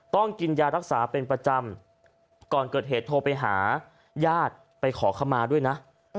ต้องกินยารักษาเป็นประจำก่อนเกิดเหตุโทรไปหาญาติไปขอขมาด้วยนะ